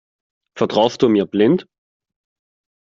Vertraust du mir blind?